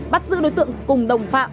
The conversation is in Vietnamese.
bắt giữ đối tượng cùng đồng phạm